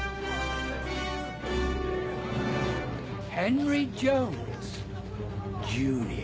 ヘンリー・ジョーンズジュニア。